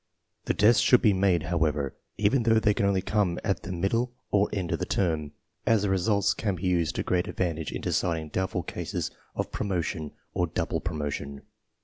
The tests should be made, however, even though they can only come at the middle or end of the term, as the results can be used to great advantage in decid ing doubtful cases of promotion or double promotion.